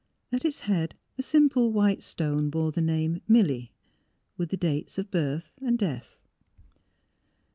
At its head a simple white stone bore the name " Milly," with the dates of birth and death.